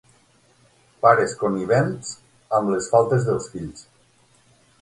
Pares connivents amb les faltes dels fills.